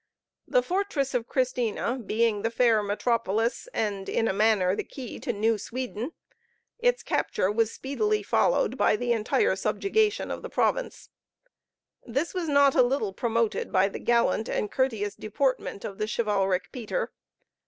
The fortress of Christina being the fair metropolis, and in a manner the key to New Sweden, its capture was speedily followed by the entire subjugation of the province. This was not a little promoted by the gallant and courteous deportment of the chivalric Peter.